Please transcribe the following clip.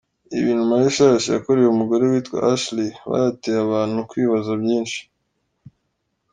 Ibi bintu Miley Cyrus yakoreye umugore witwa Ashley bayateye abantu kwibaza byinshi.